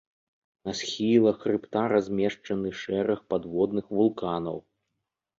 На схілах хрыбта размешчаны шэраг падводных вулканаў.